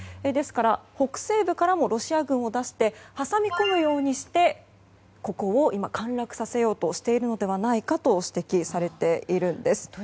ですから、北西部からもロシア軍を出して挟み込むようにしてここを陥落させようとしているのではないかと指摘されているんです。